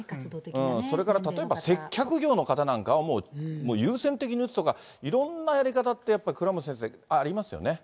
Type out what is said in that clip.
それから例えば接客業の方なんかは、もう優先的に打つとか、いろんなやり方って、やっぱり倉持先生、ありますよね。